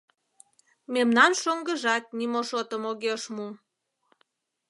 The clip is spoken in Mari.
Мемнан шоҥгыжат нимо шотым огеш му.